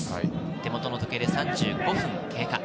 手元の時計で３５分経過。